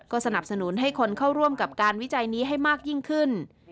สนับสนุนให้คนเข้าร่วมกับการวิจัยนี้ให้มากยิ่งขึ้น